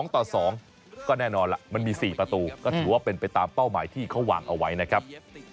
๒ต่อ๒ก็แน่นอนล่ะมันมี๔ประตูก็ถือว่าเป็นไปตามเป้าหมายที่เขาวางเอาไว้นะครับ